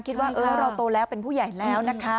คิดว่าเราโตแล้วเป็นผู้ใหญ่แล้วนะคะ